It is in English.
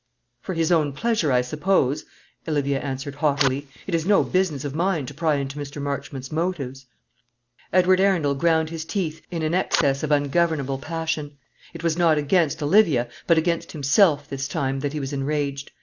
"For his own pleasure, I suppose," Olivia answered haughtily. "It is no business of mine to pry into Mr. Marchmont's motives." Edward Arundel ground his teeth in an access of ungovernable passion. It was not against Olivia, but against himself this time that he was enraged.